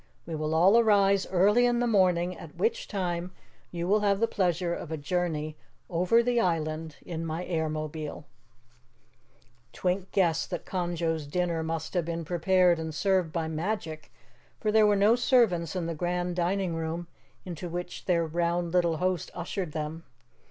We will all arise early in the morning, at which time you will have the pleasure of a journey over the island in my Airmobile." Twink guessed that Conjo's dinner must have been prepared and served by magic, for there were no servants in the grand dining room into which their round little host ushered them.